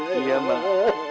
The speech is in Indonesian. ibu sabar ibu sabar